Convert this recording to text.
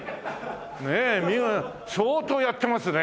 ねえ相当やってますね。